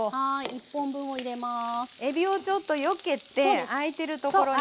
えびをちょっとよけてあいてるところへ。